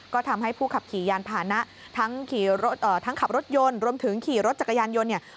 ก็ทำให้ผู้ขับขี่ยานผ่านนะทั้งขับรถยนต์รวมถึงขี่รถจักรยานยนต์เนี่ย